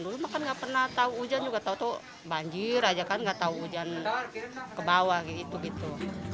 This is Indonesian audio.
rumah kan nggak pernah tahu hujan juga tahu tuh banjir aja kan nggak tahu hujan ke bawah gitu gitu